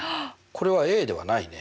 これはではないね。